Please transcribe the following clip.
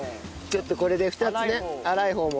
ちょっとこれで２つね粗い方も。